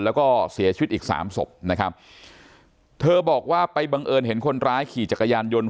แล้วก็เสียชีวิตอีกสามศพนะครับเธอบอกว่าไปบังเอิญเห็นคนร้ายขี่จักรยานยนต์